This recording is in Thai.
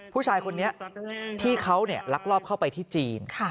ผู้ชายคนนี้ที่เขาลักลอบเข้าไปที่จีน